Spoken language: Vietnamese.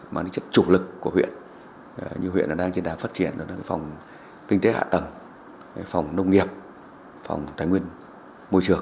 mang chất chủ lực của huyện như huyện đang phát triển phòng kinh tế hạ tầng phòng nông nghiệp phòng tài nguyên môi trường